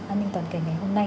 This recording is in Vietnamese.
an ninh toàn cảnh ngày hôm nay